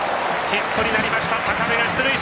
ヒットになりました、高部出塁。